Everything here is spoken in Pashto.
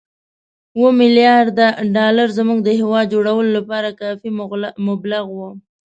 اووه ملیارده ډالر زموږ د هېواد جوړولو لپاره کافي مبلغ وو.